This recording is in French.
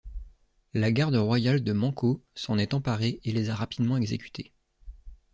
La garde royale de Manco s'en est emparée et les a rapidement exécutés.